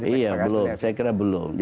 iya belum saya kira belum